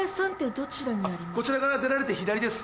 こちらから出られて左です。